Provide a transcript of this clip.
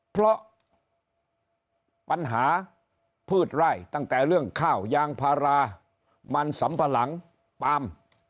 เพราะปัญหาพืชไร่ตั้งแต่เรื่องข้าวยางพารามันสำปะหลังปาล์ม